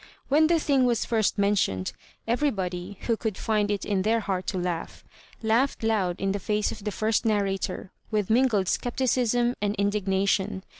When the thing was first mentioned, everybody (who could find it in their heart to laugh) laughed loud in the face of the first narrator with mingled scepticism and indignation.